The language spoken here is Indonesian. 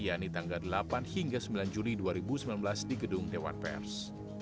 yaitu tanggal delapan hingga sembilan juni dua ribu sembilan belas di gedung dewan pers